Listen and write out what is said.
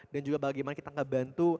dan juga bagaimana kita membantu